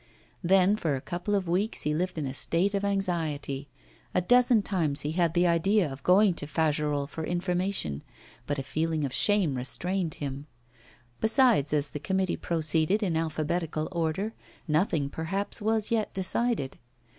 Then, for a couple of weeks he lived in a state of anxiety. A dozen times he had the idea of going to Fagerolles' for information, but a feeling of shame restrained him. Besides, as the committee proceeded in alphabetical order, nothing perhaps was yet decided.